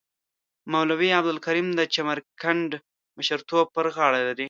مولوی عبدالکریم د چمرکنډ مشرتوب پر غاړه لري.